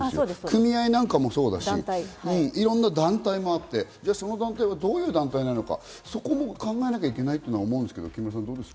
組合なんかもそうですし、いろんな団体もあって、その団体がどういう団体か、そこも考えなきゃいけないと思うんですけど、木村さん。